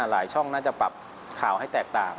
ช่องน่าจะปรับข่าวให้แตกต่าง